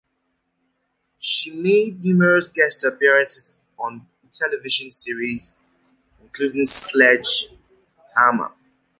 She made numerous guest appearances on television series, including Sledge Hammer!